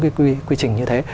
cái quy trình như thế